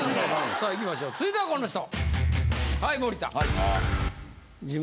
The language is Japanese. さあいきましょう続いてはこの人。